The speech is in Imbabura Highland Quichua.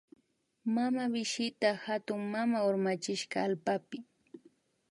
Mamawishita hatunmama urmachishka allpapi